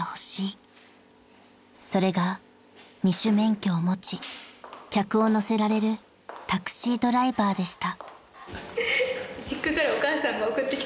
［それが二種免許を持ち客を乗せられるタクシードライバーでした］